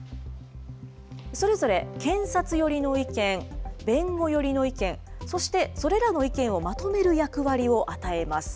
それぞれ検察寄りの意見、弁護寄りの意見、そしてそれらの意見をまとめる役割を与えます。